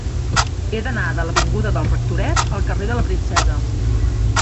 He d'anar de l'avinguda del Rectoret al carrer de la Princesa.